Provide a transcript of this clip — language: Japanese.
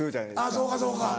あぁそうかそうか。